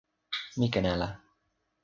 mi ken ala!